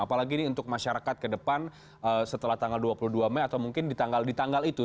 apalagi ini untuk masyarakat ke depan setelah tanggal dua puluh dua mei atau mungkin di tanggal itu